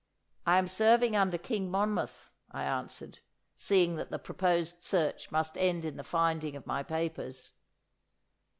'I am serving under King Monmouth,' I answered, seeing that the proposed search must end in the finding of my papers.